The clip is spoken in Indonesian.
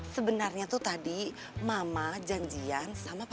tunggu tunggu tunggu